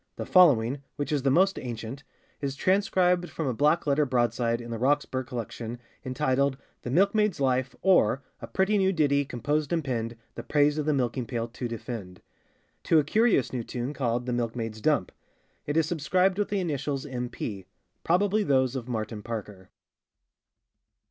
The following, which is the most ancient, is transcribed from a black letter broadside in the Roxburgh Collection, entitled The Milke maid's Life; or, a pretty new ditty composed and penned, the praise of the Milking pail to defend. To a curious new tune called the Milke maid's Dump. It is subscribed with the initials M. P.; probably those of Martin Parker.